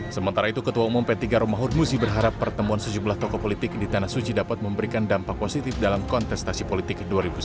sementara itu ketua umum p tiga romahur muzi berharap pertemuan sejumlah tokoh politik di tanah suci dapat memberikan dampak positif dalam kontestasi politik dua ribu sembilan belas